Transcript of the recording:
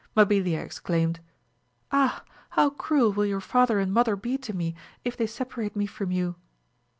Mabilia exclaimed, Ah how cruel will your father and mother be to me, if they separate mo from you